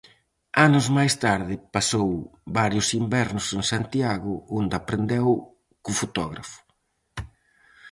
Anos máis tarde pasou varios invernos en Santiago onde aprendeu co fotógrafo.